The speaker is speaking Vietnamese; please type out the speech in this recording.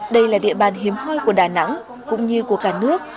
đây là địa bàn hiếm hoi của đà nẵng cũng như của cả nước